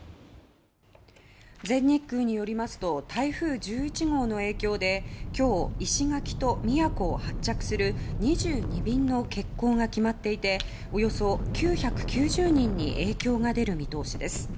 全日空によりますと台風１１号の影響で今日、石垣と宮古を発着する２２便の欠航が決まっていておよそ９９０人に影響が出る見通しです。